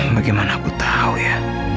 bagaimana aku tahu ya